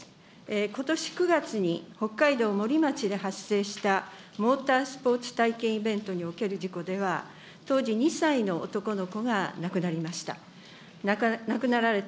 ことし９月に北海道森町で発生したモータースポーツ体験イベントにおける事故では、当時２歳の男の子が亡くなりました。